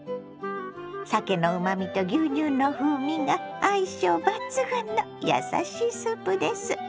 さけのうまみと牛乳の風味が相性抜群のやさしいスープです。